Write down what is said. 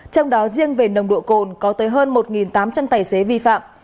trong đó riêng về nồng độ cồn có tới hơn một tám trăm linh tài xế vi phạm